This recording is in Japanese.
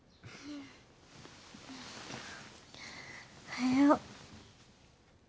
おはよう。